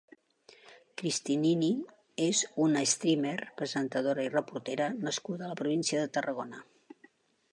Cristinini és una streamer, presentadora i reportera nascuda a la província de Tarragona.